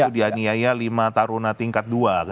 dia niaya lima taruna tingkat dua